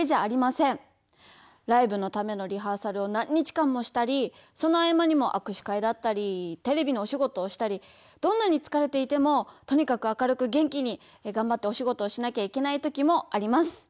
ライブのためのリハーサルを何日間もしたりその合間にも握手会だったりテレビのお仕事をしたりどんなにつかれていてもとにかく明るく元気にがんばってお仕事をしなきゃいけない時もあります。